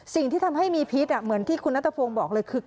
สิ่งที่ทำให้มีพิษเหมือนที่คุณนัทพงศ์บอกเลยคือ